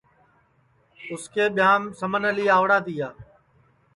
اُس کے ٻیاںٚم سمن اعلی آوڑا تیا